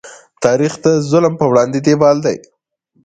تاریخ د ظلم په وړاندې دیوال دی.